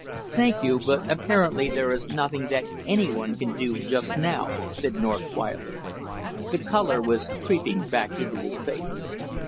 "Thank you, but apparently there is nothing that any one can do just now," said North quietly. The color was creeping back into his face.